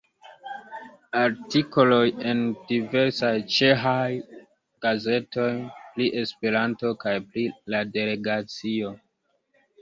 Artikoloj en diversaj ĉeĥaj gazetoj pri Esperanto kaj pri la Delegacio.